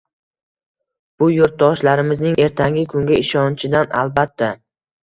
Bu yurtdoshlarimizning ertangi kunga ishonchidan, albatta.